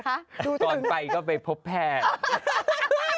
ก่อนไปก็ไปพบแพทย์